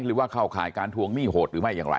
หรือว่าเข้าข่ายการทวงหนี้โหดหรือไม่อย่างไร